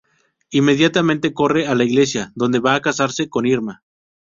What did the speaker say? Inmediatamente corre a la iglesia, donde va a casarse con Irma.